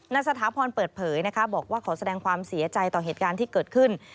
สถาพรเปิดเผยนะคะบอกว่าขอแสดงความเสียใจต่อเหตุการณ์ที่เกิดขึ้น